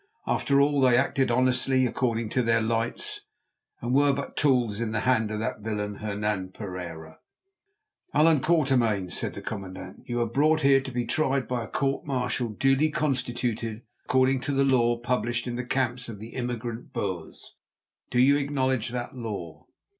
After all, they acted honestly according to their lights, and were but tools in the hand of that villain Hernan Pereira. "Allan Quatermain," said the commandant, "you are brought here to be tried by a court martial duly constituted according to the law published in the camps of the emigrant Boers. Do you acknowledge that law?"